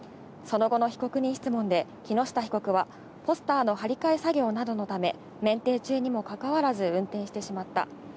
その後の被告人質問で木下被告はポスターの張り替え作業などのため免停中にもかかわらず運転してしまった。